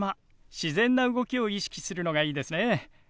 自然な動きを意識するのがいいですね。